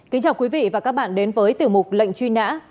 kính chào quý vị và các bạn đến với tiểu mục lệnh truy nã